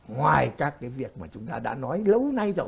ngoài các cái việc mà chúng ta đã nói lâu nay rồi